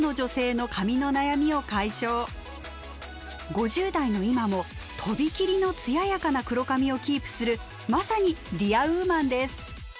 ５０代の今もとびきりの艶やかな黒髪をキープするまさにディアウーマンです。